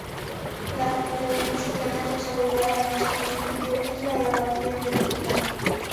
La actividad industrial más desarrollada en este municipio es la elaboración de tequila.